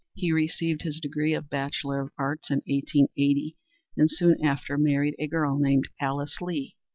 He received his degree of Bachelor of Arts in 1880, and soon after married a girl named Alice Lee.